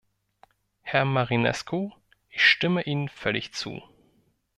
Herr Marinescu, ich stimme Ihnen völlig zu.